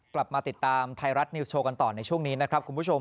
กลับมาติดตามไทยรัฐนิวส์โชว์กันต่อในช่วงนี้นะครับคุณผู้ชม